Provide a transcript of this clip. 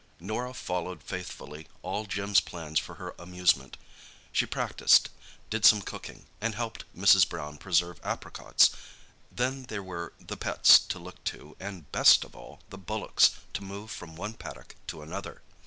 Norah followed faithfully all Jim's plans for her amusement. She practised, did some cooking, and helped Mrs. Brown preserve apricots; then there were the pets to look to and, best of all, the bullocks to move from one paddock to another.